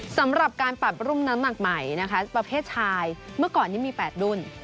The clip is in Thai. สำหรับการปรับรุ่นน้ำหนักใหม่นะคะประเภทชายเมื่อก่อนนี้มี๘รุ่น